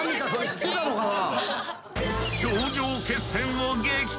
知ってたのかな！